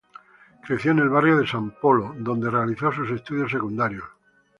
Creció en el barrio de San Polo, donde realizó sus estudios secundarios.